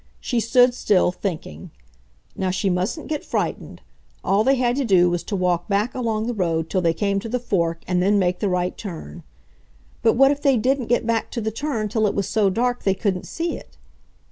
She stood still, thinking. Now she mustn't get frightened. All they had to do was to walk back along the road till they came to the fork and then make the right turn. But what if they didn't get back to the turn till it was so dark they couldn't see it...?